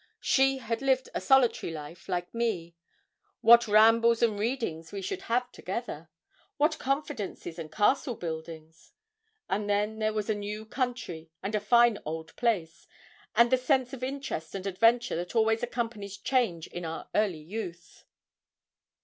She had lived a solitary life, like me. What rambles and readings we should have together! what confidences and castle buildings! and then there was a new country and a fine old place, and the sense of interest and adventure that always accompanies change in our early youth.